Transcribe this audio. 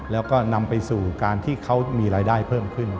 แล้วก็นำไปสู่การที่เขามีรายได้เพิ่มขึ้น